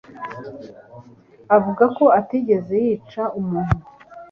avuga ko atigeze yica umuntu